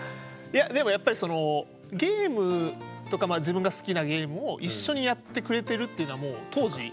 いやでもやっぱりゲームとか自分が好きなゲームを一緒にやってくれてるっていうのはもう当時夢のような。